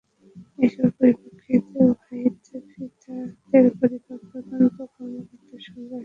এসবের পরিপ্রেক্ষিতে ওয়াহিদা সিফাতের পরিবার তদন্ত কর্মকর্তার সঙ্গে আসামির যোগসাজশের অভিযোগ তোলে।